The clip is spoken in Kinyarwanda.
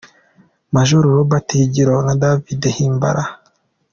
Major Robert Higiro na David Himbara